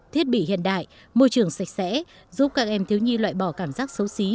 thiết bị hiện đại môi trường sạch sẽ giúp các em thiếu nhi loại bỏ cảm giác xấu xí